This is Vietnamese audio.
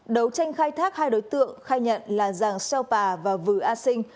đấu tranh khai thác hai đối tượng khai nhận là giàng sèo pà và vừa a sinh